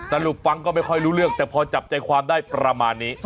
สรุปฟังก็ไม่ค่อยรู้เรื่องแต่พอจับใจความได้ประมาณนี้